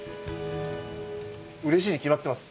うれしいに決まってます。